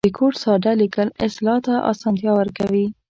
د کوډ ساده لیکل اصلاح ته آسانتیا ورکوي.